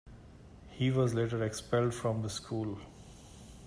He was later expelled from the school.